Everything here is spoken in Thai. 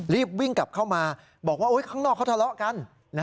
รีบวิ่งกลับเข้ามาบอกว่าข้างนอกเขาทะเลาะกัน